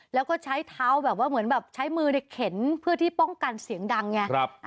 แล้วก็ใช้เท้าแบบว่าเหมือนแบบใช้มือเนี่ยเข็นเพื่อที่ป้องกันเสียงดังไง